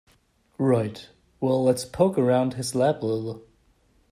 Right, well let's poke around his lab a little.